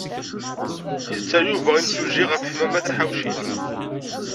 Yetter Yuba imsujji ɣef Ḥemmama Taḥawcint.